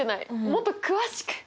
もっと詳しく！